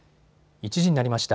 １時になりました。